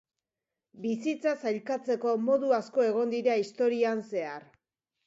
Bizitza sailkatzeko modu asko egon dira historian zehar.